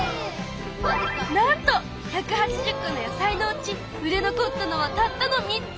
なんと１８０個の野菜のうち売れ残ったのはたったの３つ！